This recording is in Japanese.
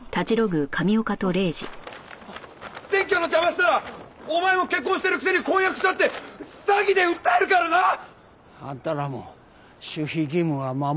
選挙の邪魔したらお前も結婚してるくせに婚約したって詐欺で訴えるからな！あんたらも守秘義務は守る事だな。